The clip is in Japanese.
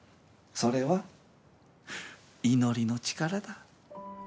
それは祈りの力だ。